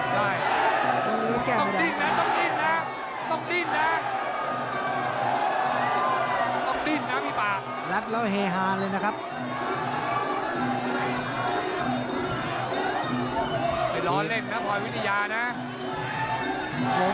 ไปร้อนเล่นนะบรรวินิยานะ